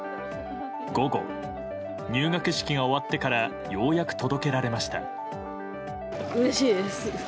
午後、入学式が終わってからようやく届けられました。